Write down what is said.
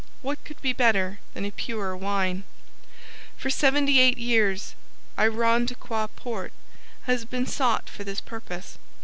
What could be better than a Pure Wine? For seventy eight years Irondequoit Port has been sought for this purpose.